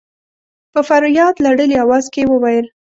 په فرياد لړلي اواز کې يې وويل.